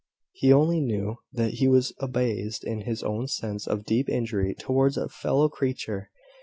He only knew that he was abased in his own sense of deep injury towards a fellow creature.